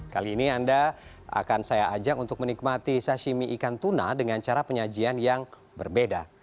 kali ini anda akan saya ajak untuk menikmati sashimi ikan tuna dengan cara penyajian yang berbeda